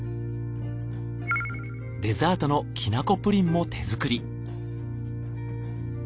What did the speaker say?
デザートのきなこプリンも手作り。